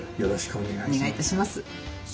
お願いいたします。